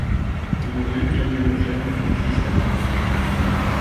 Une rue Camulogène existe à Paris.